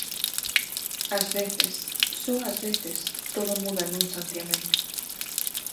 Ás veces, só ás veces, todo muda nun santiamén.